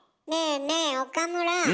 ねえねえ岡村。